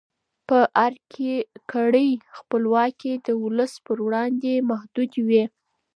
په ارګ کې کړۍ خپلواکي د ولس پر وړاندې محدودوي.